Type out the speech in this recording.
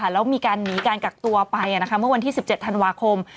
แล้วมีการหนีการกักตัวไปเมื่อวันที่๑๗ธันวาคม